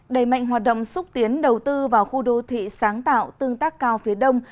đẩy mạnh hoạt động xúc tiến đầu tư vào khu đô thị sáng tạo tương tác cao phía đông